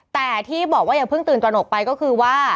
แต่ที่บอกว่าอย่าเพิ่งตื่นตระหนกไปก็คือว่า